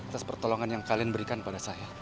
atas pertolongan yang kalian berikan pada saya